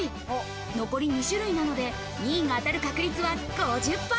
残り２種類なので２位が当たる確率は５０％。